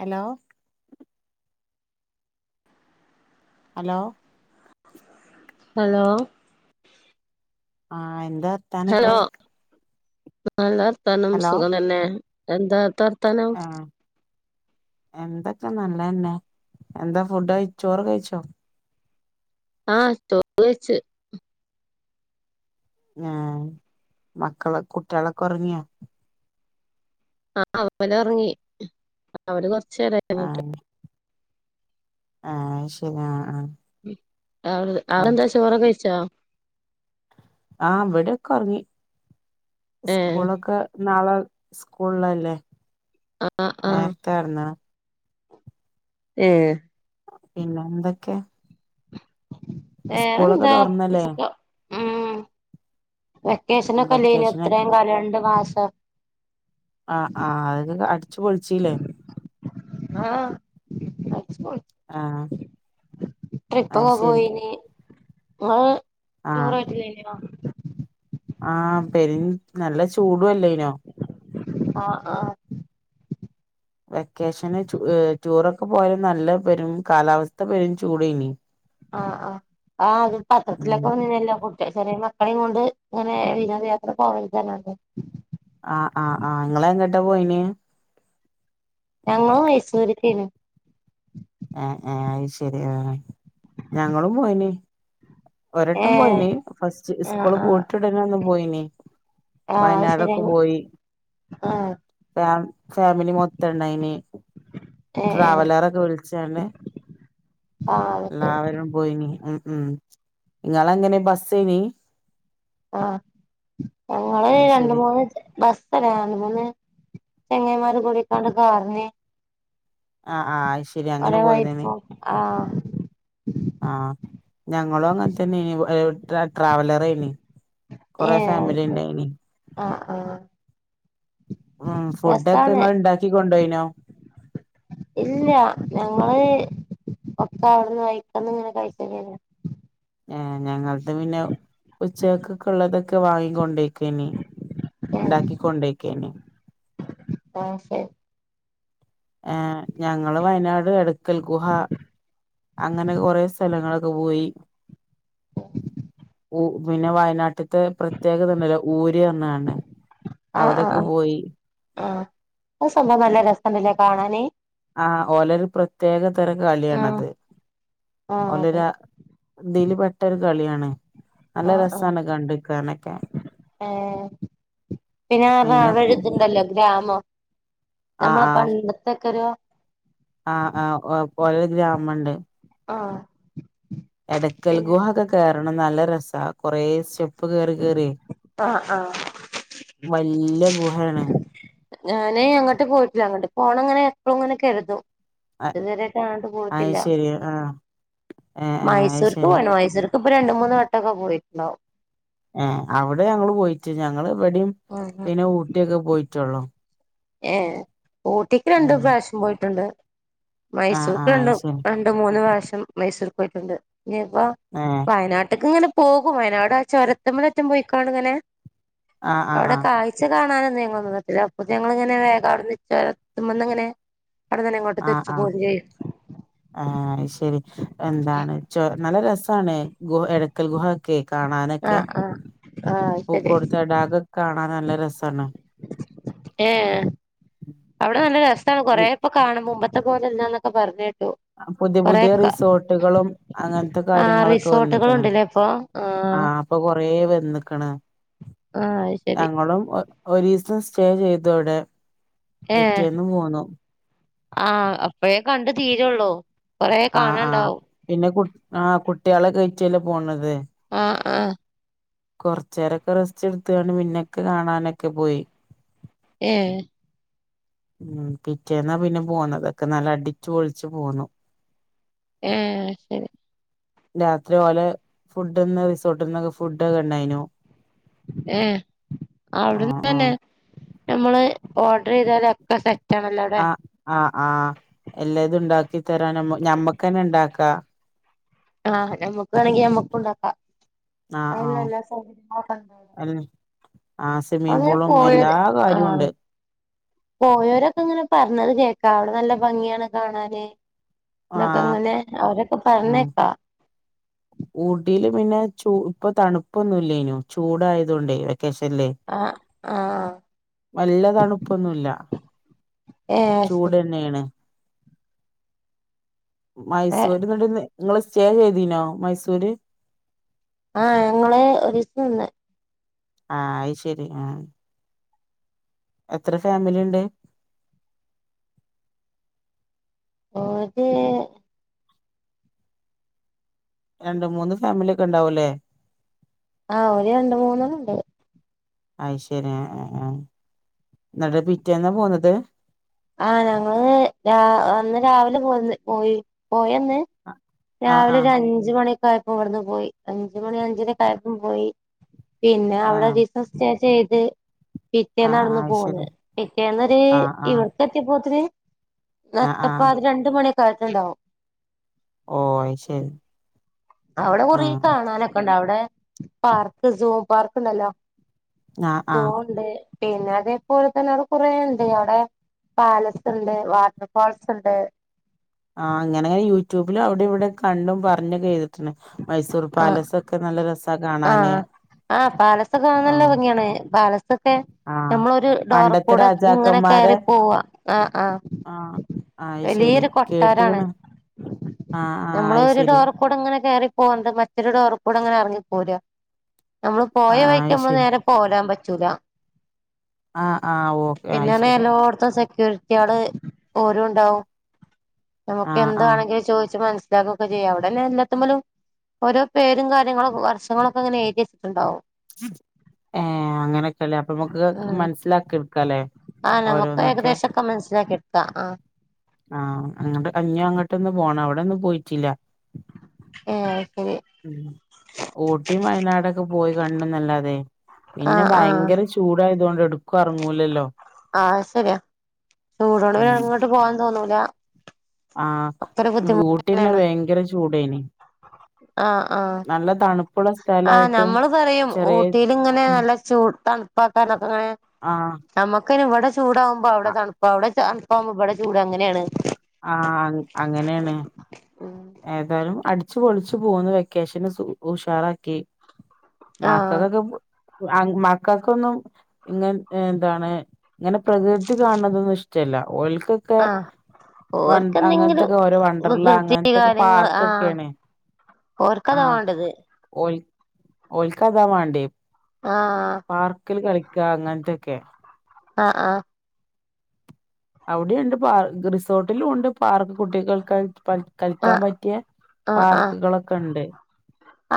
Hello hello hello ആ എൻ ന്താ ഹലോ വർത്താനൊക്കെ നല്ല വർ ത്താനം ഹലോ സുഖം തന്നെ എന്താ അട്തെ വർ ത്താനം ആഹ് എന്തൊക്കെ നല്ലതന്നെ എന്താ ഫുഡ് കയി ചോറ് കയിച്ചോ ആഹ് ചോറ് കൈച്ച് ഉം ആ മക്കള് കുട്ടികളൊക്കെ ഉറങ്ങിയ ആ അവലൊറങ്ങി അവല് കൊർച്ച് ച്ചേരായി കെടന്നിട്ട് ആഹ് ആഹ് അയ്ശരി ആഹ് ആഹ് അവളത് അതെന്താ ചോറൊക്കെ കൈ ച്ചോ ആഇവിടെ ഒക്കെ ഉറങ്ങി ഏഹ് സ്കൂളൊക്കെ- നാളെ സ്കൂള് ലല്ലേ നേർത്തെയെറങ്ങണം ഏഹ് പിന്നെ എന്തൊക്കെ വേറെ സ്കൂളൊക്കെ എന്താ ഒക്കെ തുറന്നല്ലേ സുഖം ഉം ഹ് വെക്കേഷൻ ഉം ഒക്കെയല്ലേനോ വെക്കേഷനൊക്കെ ഇത്രയും കാലം രണ്ട് മാസം ഒഹ് ആഹ് ആഹ് അതൊക്കെ അടിച്ചു പൊളിച്ചീല്ലേ ആഹ് അടിച്ച് പൊളിച്ച് ആഹ് അത് ട്രിപ്പൊക്കെ ശരി പോയിനി ഇങ്ങള് ആഹ് ടൂറായിട്ട് കഴിഞ്ഞിനോ ആഹ് പെരിൻ നല്ല ചൂടും അല്ലെയ്നോ? ആഹ് ആഹ് വെക്കേഷന് ചു ഏഹ് ടൂറൊക്കെ പോയാലും നല്ല പെരും കാലാവസ്ഥ പെരും ചൂടേനി. ആഹ് ആ ആ അത് ഉം പത്രത്തിലൊക്കെ വന്നിരുന്നല്ലോ അപ്പം ചെറിയ മക്കളെയും കൊണ്ട് ഇങ്ങനെ വിനോദയാത്രക്ക [unintelligible] ആഹ് ആഹ് ആഹ് ഇങ്ങള് എങ്ങട്ടാ പോയിന്? ഞങ്ങള് മൈസൂർക്കായിന്നു. ആ ആ അത് ശരി ആഹ് ഞങ്ങളും പോയിനി. ഒരു വട്ടം ഏഹ് പോയീനി ഫസ്റ്റ് ആഹ് സ്കൂൾ ആഹ് പൂട്ടിയുടനെ ഒന്ന് പോയീനി. ആഹ് അത് വയനാട് ശരി ഒക്കെ പോയി ആഹ് ഫാം ഫാമിലി മൊത്തം ഇണ്ടായിനി ഏഹ് ഏഹ് ട്രാവലറൊക്കെ വിളിച്ചാണ്ട് ആഹ് അത് ശരി എല്ലാവരും പോയിനീ ഉം ഉം ഇങ്ങളെങ്ങനെ ബസ്സീനി ആഹ് ഞങ്ങള് അത് രണ്ട് ശരി മൂന്ന് ബസ് രണ്ട് മൂന്ന് ചങ്ങാതിമാര് കൂടിക്കൊണ്ട് കാറിനി ആഹ് ആ അത് ശരി അങ്ങനെ ഒരു പോയതേനി [unintelligible] ആ ആഹ് ഞങ്ങളും അങ്ങനെത്തന്നെ ഇവ് ഏഹ് ട്രാ ട്രാവലർ ആയിന്നി കൊറേ ഏഹ് ഫാമിലി ഇണ്ടായിനി. ആഹ് ആഹ് ഉം ഫുഡൊക്കെ രസാണ് ഇങ്ങള് ഇണ്ടാക്കി കൊണ്ടോയ്നോ ഇല്ല ഞങ്ങള് ഒക്കെ അവിട്ന്ന് വൈക്കന്ന്ങ്ങനെ കൈക്കലേനി ഏ ഞങ്ങൾത് പിന്നെ ഉച്ചക്കക്ക്ള്ളതൊക്കെ വാങ്ങി കൊണ്ടോയ്ക്കേനി ഉണ്ടാക്കി കൊണ്ടേയ്ക്കേനി ആ ശെര് ആ ഞങ്ങള് വയനാട് എടക്കൽ ഗുഹ അങ്ങനെ കൊറെ സ്ഥലങ്ങളൊക്കെ പോയി ഊ പിന്നെ വയനാട്ട് ത്തെ പ്രത്യേകതണ്ടല്ലോ ഊര്അർഞ്ഞാണ്ട് അവിടൊക്കെ പോയി അത് സംഭവം നല്ല രസണ്ട്ലേ കാണാന് ആ ഓലൊരു പ്രത്യേക തര ആഹ് കളിയണത് ആഹ് ഓലര അതെ ദില് പെട്ടൊരു കളിയാണ് ഉം നല്ല ആഹ് ആഹ് രസാണ് കണ്ട് ക്കാനൊക്കെ പിന്നന്ന് പറഞ്ഞ അവരിത്തുണ്ടല്ലോ [unintelligible] ആന്നോ ആഹ് ഞമ്മളെ പണ്ടത്തൊക്കൊരു ആഹ് ആ ഹ് ഓ പോയ ഗ്രാമോ [unintelligible] ൻഡ് ആഹ് എടക്കൽ പിന്നെ ഗുഹ ഒക്കെ കെ റണം നല്ല രസാ കൊറേ സ്റ്റെപ് പ്പ് കേറി കേറി ആഹ് ആഹ് വല്യ ഗുഹയാണ് ഞാനേ അങ്ങോട്ട് പോയിട്ടില്ല അങ്ങോട്ട് പോണം അങ്ങനെ എപ്പോളും ഇങ്ങനെ കരുതും അത് ഇതുവരെ കാണാണ്ട് പോയിട്ടില്ല ശരി ആഹ് ഏഹ് ഏഹ് അത് മൈസൂർക്ക് ശരി പോയിന് മൈസൂർ ഇപ്പോ രണ്ട് മൂന്ന് വട്ടൊക്കെ പോയിട്ടുണ്ടാവും ഏ അവിടെ ഞങ്ങള് പോയിട്ട് ഞങ്ങള്- ഇവിടേം പിന്നെ ഊട്ടിയൊക്കെ പോയിട്ടുള്ളൂ ഏ ഊട്ടിക്ക് രണ്ടു ഉം പ്രാവശ്യം പോയിട്ടുണ്ട് ആഹ് മൈസൂർക്ക് ആഹ് അത് രണ്ടും ശരി രണ്ട് മൂന്ന് പ്രാവിശ്യം ഞാൻ മൈസൂർ പോയിട്ടുണ്ട് ഇനിപ്പോ ഏഹ് വയനാട്ട്ക്ക് ഇങ്ങനെ പോകും വയനാട് ആ ചുരത്തുമലയിറ്റം പോയിക്കാണും ഇങ്ങനെ ആഹ് ആഹ് അവിടെ ആഹ് കാഴ്ച കാണാന [unintelligible] ഞങ്ങിങ്ങനെ വേഗം അവിടെന്ന് ചോരത്തുമ്മാ [unintelligible] നങ്ങനെ ആഹ് ആഹ് ആ ഹ് ശെരി എന്താണ് ചോ നല്ല രസാണ് ഗുഹ എടക്കൽ ഗുഹ ക്കെ കാണാനൊക്കെ ആഹ് ആഹ് ആഹ് ശരി പൂക്കോട് തടകയൊക്കെ കാണാൻ നല്ല രസാണ് ഏഹ് അവിടെ നല്ല രസാണ് കൊറേപ്പൊ കാണുമ്പോ ത്ത പോലെല്ലാന്നൊെക്കെ പർഞ്ഞേട്ട് പുതി പുത്യേ റിസോട്ടുകളും അങ്ങൻത്തെ ആഹ് കാര്യങ്ങളൊക്കെ റിസോർട്ടുകൾ വന്ന്ക്ക്ണ് ഉണ്ടല്ലേ ഇപ്പൊ ആ ആഹ് അപ്പൊ കൊറേ വന്നക്ണ് ആഹ് അത് ശരി ഞങ്ങളും ഒരീസം സ്റ്റേ ചെയ്തു അവിടെ. ഏഹ് പിറ്റേന്ന് പോന്നു ആഹ് അ പ്പോഴെ കണ്ടു തീരുള്ളൂ കൊറെേ ആഹ് കാണാണ്ടാവും ക്കേറ്റല്ലേ പോണത് ആഹ് ആഹ് കുറച്ചേരൊക്കെ റസ്റ്റ് എടുത്തുകാണ്ട് പിന്നൊക്കെ കാണാനൊക്കെ പോയി ഏഹ് ഉം പിറ്റേന്നാ പിന്നെ പോന്നതൊക്കെ നല്ല അടിച്ച് പൊളിച്ചു പോന്നു. ഏഹ് ശരി രാത്രി ഓലെ ഫുഡന്ന് റിസോർട്ടിൽന്നൊക്കെ ഫുഡ് ഒക്കെ ഉണ്ടായിനു. ഏഹ് അവിടന്ന് ആഹ് തന്നെ ആഹ് നമ്മള് ഓർഡർ ചെയ്താല ഒക്കെ സെ ആ ആഹ് ആഹ് എല്ലാതും ഉണ്ടാക്കി തരാനും ഞമ്മക്കന്നെ ഉണ്ടാക്കാ ആ ഞമ്മക്ക് വേണെങ്കി ഞമ്മക്കുണ്ടാക്കാം ആഹ് ആഹ് അൽ ആഹ് സ്വിമ്മിംഗ് പൂളും എല്ലാ കാര്യുണ്ട് പോയവരൊക്കെ ഇങ്ങനെ പറഞ്ഞത് കേക്കാ അവിടെ നല്ല ഭംഗിയാണ് കാണാന് ഇതൊക്കെ ആഹ് അങ്ങനെ അവരൊക്കെ ആഹ് പറഞ്ഞേക്കാ ഊട്ടിയില് പിന്നെ ഇപ്പൊ തണുപ്പൊന്നുല്ലേനു ചൂടായതൊണ്ടേ ക്കേഷൻലേ ആഹ് ആഹ് വല്യ തണുപ്പൊന്നുല്ല ഏഹ് ചൂട് തന്നെയേനു ഏഹ് മൈസൂർന്ന് ട്ന്ന് സ്റ്റേ ചെയ്തീനോ മൈസൂര് ആ ഞങ്ങള് ഒരീസം നിന്ന് ആ അയ്ശെരി ആ എത്ര ഫാമിലിണ്ട് ഓര് രണ്ട് മൂന്ന് ഫാമിലി ഒക്കെ ഇണ്ടാവൂല്ലേ ആ ഒരു രണ്ട് മൂന്ന് ഉണ്ടായി അയ്ശെരി ആ ആ എന്നട്ട് പിറ്റേന്ന പോന്നത് ആ ഞങ്ങള് രാ അന്ന് രാവിലെ പോന്ന് പോയി പോയ ന്ന് ആഹ് രാവിലെ ഒരു ആഹ് അഞ്ച് മണി യപ്പം ഇവിടെന്ന് പോയി അഞ്ച്മണി അഞ്ചിരേകായപ്പം പോയി പിന്നെ അവിടെ [unintelligible] ആഹ് അത് ആഹ് ആഹ് പിറ്റേന്നാടന്ന് അയ് പോന്ന് ശെരി പിറ്റേന്നൊരു ആഹ് ഇവ ആഹ് [unintelligible] ആഹ് ആഹ് നട്ടപ്പാതിരണ്ട് മണി ക്കായ്ട്ടുണ്ടാവും ഓ ശരി അവിടെ കുറിൽ കാണാനൊക്കെണ്ടവിടെ വിടെ പാർക്ക് സോം പാർക്ക് ഉണ്ടല്ലോ ആഹ് ആഹ് സൂണ്ടെ പിന്നെ അതേപോലെ തന്നെ അടെ കുറ ഉണ്ട് അവിടെ പാലസ് ഉണ്ട് വാട്ടർ ഫാൾസ് ഉണ്ട് ആഹ് അങ്ങനെ യൂട്യൂബിലും അവിടെ ഇവിടെ കണ്ടും പറഞ്ഞു തന്നെ [unintelligible] മൈസൂർ ആ പാലസ് ഒക്കെ നല്ല രസ് സ കാണാനേ ആഹ് പാലസ് നല്ല ഭംഗിയാണ് പാലസൊക്കെ ആഹ് നമ്മളൊ ഒരു ഡോർ പണ്ടത്തെ കൂടെ ഇങ്ങനെ രാജാക്കന്മാരെ കേറി പോവ ആ ആ ആഹ് ആഹ് അത് ശരി വലിയോരു കൊട്ടാരാണ് കേട്ട്ക്ക്ണ് ആഹ് ആഹ് നമ്മൾ അത് ഒരു ശരി ഡോർ കൂടെ ഇങ്ങനെ കേറി പോന്നത് മറ്റൊരു ഡോറിക്കൂടെ അങ്ങനെറങ്ങി പോരാ നമ്മള് പോയ ആഹ് വഴിക്ക് അത് നമ്മള് ശരി നേരെ പോരാൻ പറ്റൂല ആഹ് ആഹ് ഓക്കെ അത് ശരി പിന്നാണെല്ലോടത്തും സെക്യൂരി കുട്ടിയോള് ഓരും ഉണ്ടാവും നമുക്ക് ആഹ് ആഹ് എന്താണെങ്കില് ചോദിച്ച് മനസി ഇത് ഒക്കെ ചെയ്യാം അവിടന്നെ എല്ലാത്തമേലും ഓരോ പേരും കാര്യങ്ങളൊ വശങ്ങളൊക്കെ ഇങ്ങനെ ഏഴുതി വേച്ചട്ടുണ്ടാവും ഏഹ് അങ്ങനൊക്കെല്ലേ അപ്പൊ നമുക്ക് ഉം മനസ്സിലാക്കി എടുക്കല്ലേ നമുക്ക് ഓരോന്നൊക്കെ ഏകദേശൊക്കെ മനസ്സിലാക്കി ആഹ് ആഹ് ആഹ് അങ്ങട്ട് അഞ്ഞോ അങ്ങോട്ടൊന്ന് പോണം അവിടെ ഒന്നും പോയിട്ടില്ല [unintelligible] ഉം കൊ കുട്ടിയ വയനാടൊക്കെ പോയി കാണണ്ണന്നല്ലാതെ പിന്നെ ആഹ് ആഹ് ഭയങ്കര ചൂടായത് കൊ എടുക്കും ഇറങ്ങൂലല്ലോ ആഹ് ശരിയാ ചൂടോണ്ട് ഉം അങ്ങോട്ട് പോവാൻ തോന്നൂല ഒക്കെ ഒരു ആഹ് ബുദ്ധിമുട്ട് ഊട്ടന്നെ തന്നെയാണ് ഭയങ്കര ചൂടേന ആഹ് ആഹ് ആഹ് സ്ഥലായിട്ടും നമ്മള് പറയും ചെറിയ ഊട്ടിൽ ഇങ്ങനെ നല്ല ചൂട് തണുപ്പാക്കാനൊക്കെ ഇങ്ങനെ ആ നമ്മക്ക് [unintelligible] ചൂടാമ്പോ അവിടെ തണുപ്പ അവിടെ മ്പോ എവട ചൂട് അങ്ങനെയാണ് ആ അങ്ങനെയാണ് ഉം ഏതാലും അടു ച്ച് പൊളിച്ചു പോന്ന വെക്കേഷന് ഉഷാറാക്കി ആഹ് [unintelligible] മക്കക്കൊന്നും ഇങ്ങെ എന്താണ് ഇങ്ങനെ പ്രകൃതി കാണുന്നതൊന്നും ഇഷ്ടമല്ലഓ ക്കക്കെ ആഹ് ഓർക്കെന്തെങ്കിലും വികൃതി അങ്ങനത്തൊക്കെ കാര്യങ്ങ ആ പാർക്കൊക്കെയാണ് ഒർക്കതാ വേണ്ടത് ഓൽക്കാതാ വണ്ടേ ആ ആ കിൽ കളിക്കാ അങ്ങനത്തൊക്കെ ആ ആ അവിടെയുണ്ട് പാർ റിസോർട്ടിലും ഉണ്ട് പാർക്ക് കുട്ടികൾക്കായി കളിക്കാൻ ആഹ് പറ്റിയ പാർക്കുകളൊക്കെ ഉണ്ട്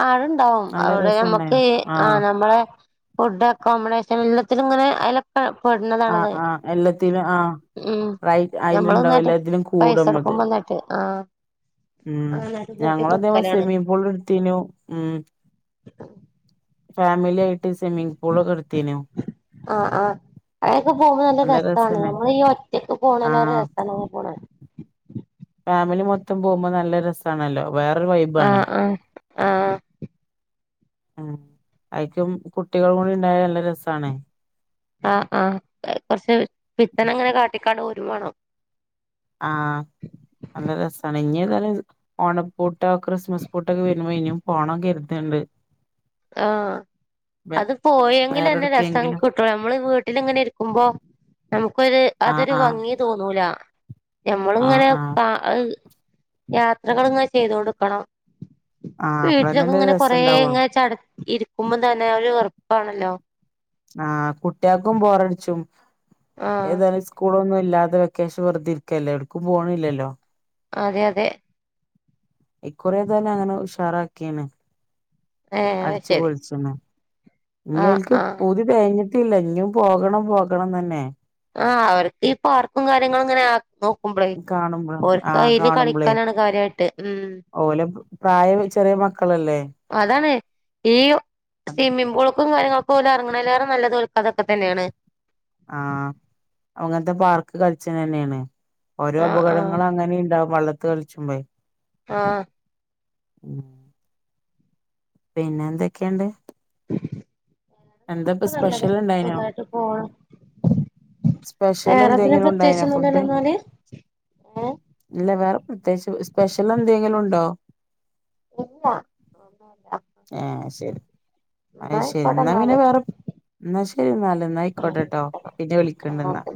ആളുണ്ടാവും നല്ല അവിടെ നമ്മുക്ക് രസണ്ടായിന് ആ് ആഹ് നമ്മളെ ഫുഡ് അക്കോമഡേഷൻ എല്ലാം ഇങ്ങനെ അ- ആ ആ എല്ലാത്തിലും ആ ഉം റൈറ്റ് നമ്മള് അതിലുണ്ടാവും ഒന്നായിട്ട് എല്ലാത്തിലും പൈസ കൂടത് കൊടുക്കുമ്പോ ഒന്നായിട്ട് ആഹ് ഉം അങ്ങനായിട്ട് കൂട്ടി ഞങ്ങ അദ്ദേഹം കൊടുക്കലാണ് സെമി പോൾ എടുത്തനു ഉം ഫാമിലി ആയിട്ട് സ്വിമ്മിംഗ് പൂളൊക്കെ എടുത്തീനു ആ ആ അഴൊക്കെ പോകുമ്പോ നല്ല രസമാണ് നഞമ്മൾ ഈ ഒറ്റക്ക് പോണല്ലേറെ ആഹ് രസമാണ് പോണ [unintelligible] ഫാമിലി മൊത്തം പോകുമ്പോ നല്ല രസമാണല്ലോ വേറൊരു വൈബ് ആണ് ആ ഉം അയിക്കും കുട്ടികളു കൂടി ഉണ്ടായാൽ ആ ആ കുറച്ച് പിത്തന അങ്ങനെ കാട്ടിക്കാണ്ട് വേണം ആ നല്ല രസമാണ് ഇഞ് [unintelligible] ഓണ പോട്ട ക്രിസ്മസ് കുട്ടു വരുമ്പോൾ ഇനി [unintelligible] പോണൊക്കെയിരുന്നു ണ്ട് [unintelligible] ആഹ അത് പോയെങ്കിൽന്നെ രസം വേറെടുക്കെങ്കിലും കിട്ടുള്ളൂ നമ്മള് വീട്ടിലിങ്ങനെ ഇരിക്കുമ്പോ നമുക്കൊരു ആഹ് അതൊരു ആഹ് ഭംഗി തോന്നൂല ആഹ് ഞമ്മളിങ്ങനെ ആഹ് യാത്രകൾ ഇങ്ങെ ചെയ്തു കൊടുക്കണം ആഹ് വീട്ടിലക്കെ അപ്പളന്നെല്ലേ ഇങ്ങനെ രസം കുറെ ഉണ്ടാവുള്ളു ഇരിക്കുമ്പോ തന്നെ ഒരു ഉറുപ്പാണല്ലോ ആ കുട്ടികൾക്കും ബോറടിച്ചു ആഹ് ഏതാലും സ്കൂളുകൾ ഒന്നും ഇല്ലാതെ ഈ വെക്കേഷൻ വെറുതെ ഇരിക്കുകയല്ലേ എല്ലാവർക്കും ഫോൺ ഇല്ലല്ലോ അതെ അതെ ഈ കുറെ തന്നെ അങ്ങനെ ഉഷാറാക്ക കമെ [unintelligible] ഏഹ് ശരി അടിച്ചുപൊളിച്ചെന്ന് ഇനി ആഹ് അവർക്ക് ആഹ് പൂതി കഴിഞ്ഞിട്ട് ഇല്ല ഇനി പോകണം പോകണം തന്നെ ആ അവർക്ക് ഈ പാർക്കും കാര്യങ്ങളും ഇങ്ങനെ നോക്കുമ്പളേ കാണുമ്പ ആ ഓർക്ക് അയില് ആകാണുമ്പളെ കളിക്കാനാണ് കാര്യായിട്ട് ഉം ഓല് പ്ര ചെറിയ മക്കൾ അല്ലേ അതാണ് ഈ സ്വിമ്മിംഗ് പൂളക്കു പോല ഇറങ്ങുന്ന എല്ലാവരും നല്ലത് [unintelligible] തന്നെയാണ് ആഹ് അങ്ങനത്തെ പാർക്ക് കളിച്ചന് തന്നെയാണ് ഓരോ ആഹ് ആഹ് അപകടങ്ങളും അങ്ങനെ ഉണ്ടാവും കളിച്ചും [unintelligible] ആഹ് ഉം പിന്നെ എന്തൊക്കെയുണ്ട് എന്താപ്പ ഒക്കെ നല്ലത് സ്പെഷ്യൽ ഇണ്ടായിനോ സുഖായിട്ട് പോണ് സ്പെഷ്യൽ വേറെ പിന്നെ എന്തെങ്കിലും ഉണ്ടായിനോ പ്രത്യേകിച്ചൊന്നുല്ലല്ലോ ഫുഡ് എന്നാല് ഏഹ് ഇല്ല വേറെ പ്രത്യേകിച്ച് സ്പെഷ്യൽ എന്തെങ്കിലും ഉണ്ടോ ഇല്ല ഒന്നുല്ല ഹാ ശരി അത് ന്നാ ശരി ആയിക്കോട്ടെ എന്നാ പിന്നെ ന്നാല് വേറെ എന്നാ [unintelligible] എന്നാ ആഹ് ആയിക്കോട്ടെട്ടോ പിന്നെ വിളിക്കണ്ടന്നാ ആഹ്